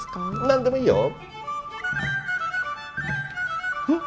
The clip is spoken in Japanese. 何でもいいよ。